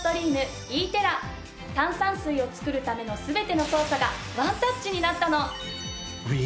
炭酸水を作るための全ての操作がワンタッチになったの。